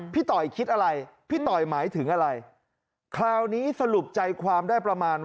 พี่ต่อยคิดอะไรพี่ต่อยหมายถึงอะไร